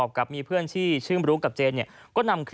เยอะมากเยอะมาก